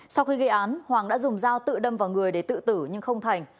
sau khi gây án hoàng đã dùng dao tự đâm vào người để tự tử nhưng không thành